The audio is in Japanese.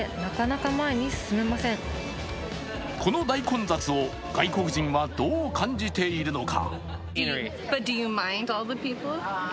この大混雑を外国人はどう感じているのか。